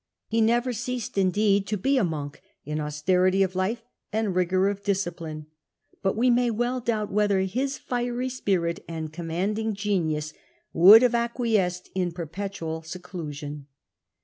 He never ceased indeed to be a monk in austerity of life and rigour of discipline, but we may well doubt whether his fiery spirit and commanding genius would have acquiesced in perpetual seclusion.